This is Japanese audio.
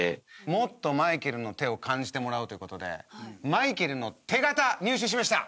もっとマイケルの手を感じてもらおうという事でマイケルの手形入手しました。